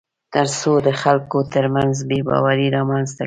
تر څو د خلکو ترمنځ بېباوري رامنځته کړي